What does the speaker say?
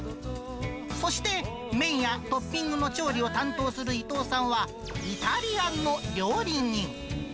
そして、麺やトッピングの調理を担当する伊藤さんは、イタリアンの料理人。